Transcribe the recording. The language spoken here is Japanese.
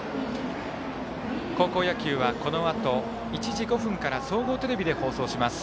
高校野球はこのあと１時５分から総合テレビで放送します。